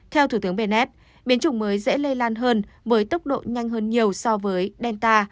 theo thủ tướng benned biến chủng mới dễ lây lan hơn với tốc độ nhanh hơn nhiều so với delta